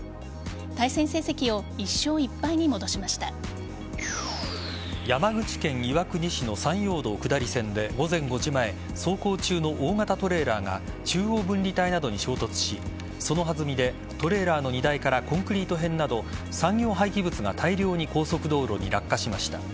対戦成績を山口県岩国市の山陽道下り線で午前５時前走行中の大型トレーラーが中央分離帯などで衝突しそのはずみでトレーラーの荷台からコンクリート片など産業廃棄物が大量に高速道路に落下しました。